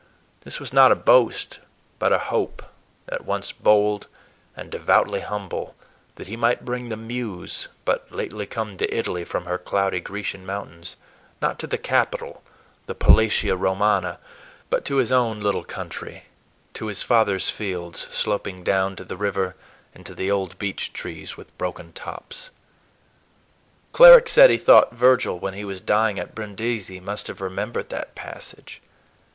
This was not a boast, but a hope, at once bold and devoutly humble, that he might bring the Muse (but lately come to Italy from her cloudy Grecian mountains), not to the capital, the palatia Romana, but to his own little "country"; to his father's fields, "sloping down to the river and to the old beech trees with broken tops." Cleric said he thought Virgil, when he was dying at Brindisi, must have remembered that passage.